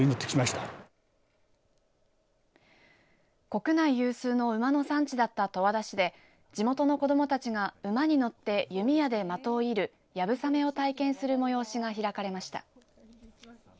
国内有数の馬の産地だった十和田市で地元の子どもたちが馬に乗って弓矢で的を射るやぶさめを体験する催しが開かれました。